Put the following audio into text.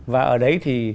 và ở đấy thì